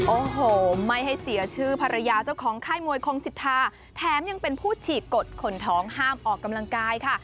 โอ้โหไม่ให้เสียชื่อภรรยาเจ้าของค่ายมวยคงสิทธาแถมยังเป็นผู้ฉีกกฎคนท้องห้ามออกกำลังกายค่ะ